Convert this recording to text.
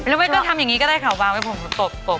แล้วเว้ยก็ทำอย่างนี้ก็ได้ขาวบางให้ผมตบ